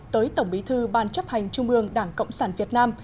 tới tổng bí thư ban chấp hành trung ương đảng cộng sản việt nam